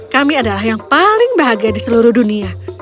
kami adalah yang paling bahagia di seluruh dunia